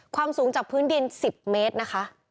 สูงจากพื้นดิน๑๐เมตรนะคะ